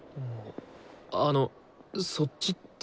あの「そっち」って？